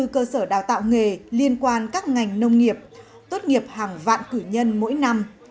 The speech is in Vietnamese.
hai mươi cơ sở đào tạo nghề liên quan các ngành nông nghiệp tốt nghiệp hàng vạn cử nhân mỗi năm